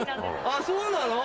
あそうなの？